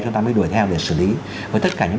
chúng ta mới đuổi theo để xử lý với tất cả những